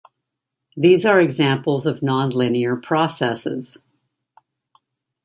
These are examples of nonlinear processes.